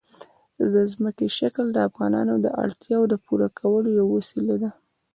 ځمکنی شکل د افغانانو د اړتیاوو د پوره کولو یوه وسیله ده.